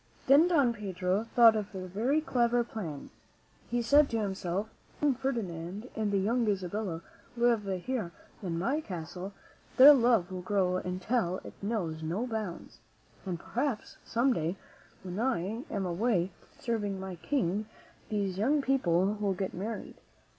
Then Don Pedro thought of a very clever plan. He said to himself, "If the young Fer dinand and the young Isabella live here in my castle, their love will grow until it knows no bounds; and perhaps some day when I am away serving my King, these young people will get married.